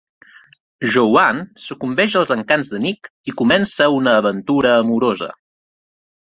Jo Ann sucumbeix als encants de Nick i comença una aventura amorosa.